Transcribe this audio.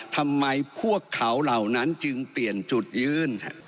ทำไมพวกเขาเหล่านั้นจึงเปลี่ยนจุดยื่น